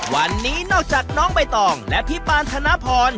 วันนี้นอกจากน้องใบตองและพี่ปานธนพร